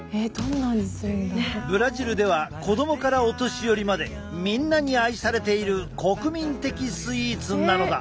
ブラジルでは子供からお年寄りまでみんなに愛されている国民的スイーツなのだ。